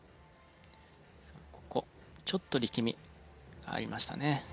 ここちょっと力みがありましたね。